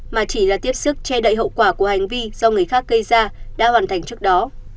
mà chỉ là tiếp sức che đậy hậu quả của hành vi do người khác gây ra đã hoàn thành trước đó